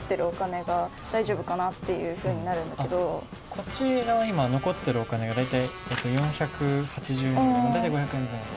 こちら今残っているお金が大体４８０円ぐらい大体５００円前後。